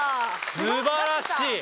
素晴らしい！